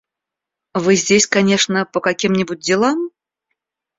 – Вы здесь, конечно, по каким-нибудь делам?